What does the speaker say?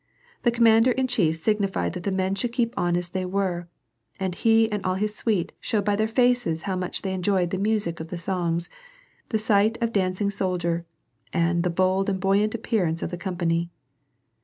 The commander in chief signified that the men should keep on as they were, and he and all his suite showed by their faces how much they enjoyed the music of the songs, the sight of the dancing sol dier, and the bold and buoyant appearance of the company.